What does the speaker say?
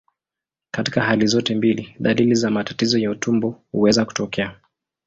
Katika hali zote mbili, dalili za matatizo ya utumbo huweza kutokea.